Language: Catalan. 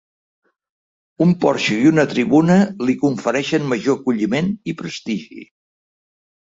Un porxo i una tribuna li confereixen major acolliment i prestigi.